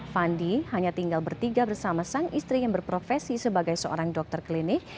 fandi hanya tinggal bertiga bersama sang istri yang berprofesi sebagai seorang dokter klinik